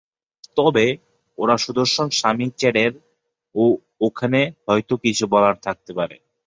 তবে, ওর সুদর্শন স্বামী চ্যাডেরও এখানে হয়তো কিছু বলার থাকতে পারে।